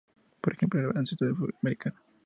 Por ejemplo el baloncesto y futbol americano.